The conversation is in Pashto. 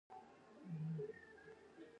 ټولنه د خلکو مجموعي ته ويل کيږي.